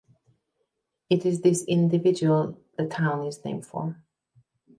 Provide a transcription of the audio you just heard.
It is this individual the town is named for.